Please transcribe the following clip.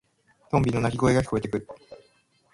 トンビの鳴き声が聞こえてくる。